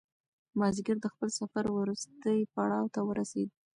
مازیګر د خپل سفر وروستي پړاو ته ورسېد.